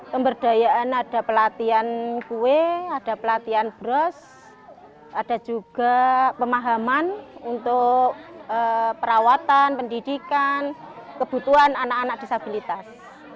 pemberdayaan ada pelatihan kue ada pelatihan bros ada juga pemahaman untuk perawatan pendidikan kebutuhan anak anak disabilitas